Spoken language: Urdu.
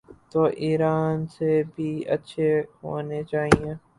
تو ایران سے بھی اچھے ہونے چائیں۔